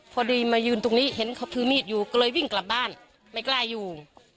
พอดีมายืนตรงนี้เห็นเขาถือมีดอยู่ก็เลยวิ่งกลับบ้านไม่กล้าอยู่